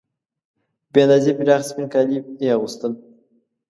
بې اندازې پراخ سپین کالي یې اغوستل.